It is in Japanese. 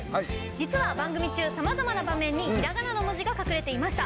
実は番組中さまざまな場面にひらがなの文字が隠れていました。